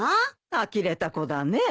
あきれた子だねえ。